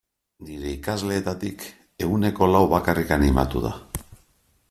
Nire ikasleetatik ehuneko lau bakarrik animatu da.